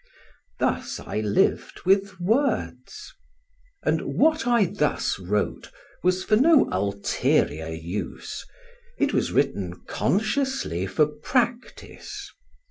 Thus I lived with words. And what I thus wrote was for no ulterior use, it was written consciously for practice.